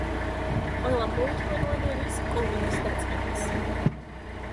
ყველა მოუთმენლად ელის კორიდის დაწყებას.